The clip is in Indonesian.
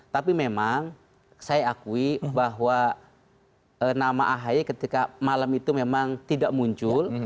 tapi memang saya akui bahwa nama ahy ketika malam itu memang tidak muncul